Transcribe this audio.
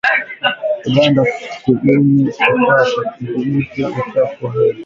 Uganda kubuni kifaa cha kudhibiti uchafuzi wa hewa.